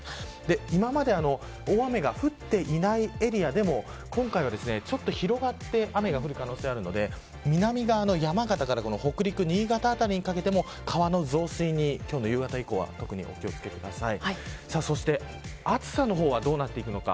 今まで大雨が降っていないエリアでも今回はちょっと広がって雨が降る可能性があるので南側の山形、北陸、新潟辺りにかけても川の増水に今日の夕方以降は気を付けてください。